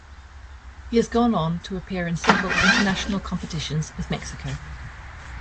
He has gone on to appear in several international competitions with Mexico.